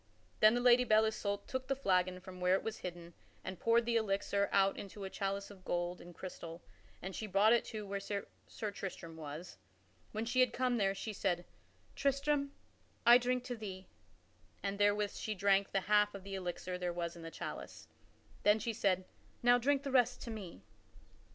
Then the Lady Belle Isoult took the flagon from where it was hidden, and poured the elixir out into a chalice of gold and crystal and she brought it to where Sir Tristram was. When she had come there, she said, "Tristram, I drink to thee," and therewith she drank the half of the elixir there Was in the chalice. Then she said, "Now drink thou the rest to me."